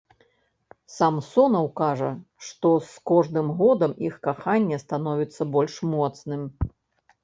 Самсонаў кажа, што з кожным годам іх каханне становіцца больш моцным.